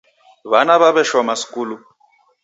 Wana waweshoma skulu